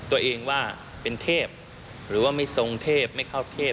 ตัวเองว่าเป็นเทพหรือว่าไม่ทรงเทพไม่เข้าเทพ